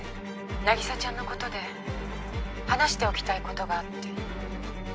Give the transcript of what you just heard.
凪沙ちゃんのことで話しておきたいことがあって。